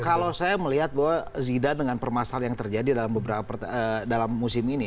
kalau saya melihat bahwa zidane dengan permasalahan yang terjadi dalam musim ini